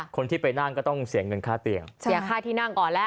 คนที่ไปนั่งก็ต้องเสียเงินค่าเตียงเสียค่าที่นั่งก่อนแล้ว